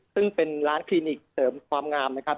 ซึ่งเป็นร้านคลินิกเสริมความงามนะครับ